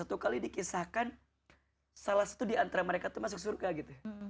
satu kali dikisahkan salah satu diantara mereka itu masuk surga gitu